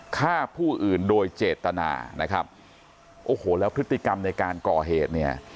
ฆ่าผู้อื่นโดยเจตนานะครับโอ้โหแล้วพฤติกรรมในการก่อเหตุเนี่ย